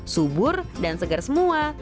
subur dan segar semua